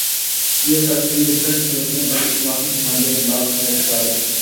پی S L three دلکش نظر نے والی ٹرافی کی مالیت لاکھ روپے سے زائد